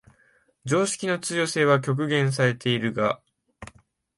常識の通用性は局限されているが、